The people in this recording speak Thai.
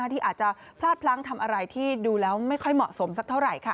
ที่อาจจะพลาดพลั้งทำอะไรที่ดูแล้วไม่ค่อยเหมาะสมสักเท่าไหร่